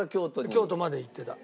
京都まで行ってた。